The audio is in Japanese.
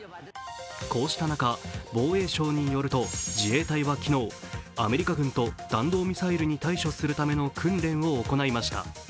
こうした中、防衛省によると自衛隊は昨日アメリカ軍と弾道ミサイルに対処するための訓練を行いました。